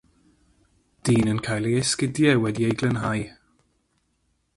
Dyn yn cael ei esgidiau wedi eu glanhau.